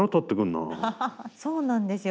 そうなんですよ